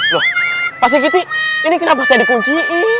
wah pak sirkiti ini kenapa saya di kunciin